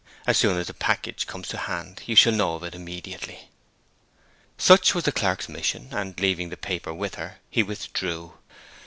As soon as the package comes to hand you shall know of it immediately.' Such was the clerk's mission; and, leaving the paper with her, he withdrew.